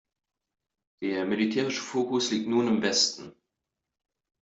Der militärische Fokus liegt nun im Westen.